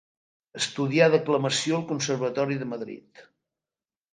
Estudià declamació al conservatori de Madrid.